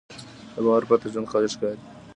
له باور پرته ژوند خالي ښکاري.